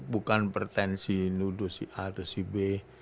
bukan bertensi nuduh si a atau si b